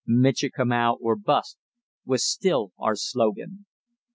"Michikamau or Bust!" was still our slogan.